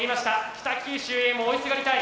北九州Ａも追いすがりたい。